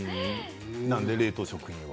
なんで冷凍食品は？